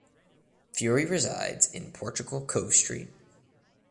Furey resides in Portugal Cove–St.